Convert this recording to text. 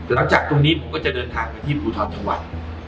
หลังจากตรงนี้ผมก็จะเดินทางไปที่ภูทรจังหวัด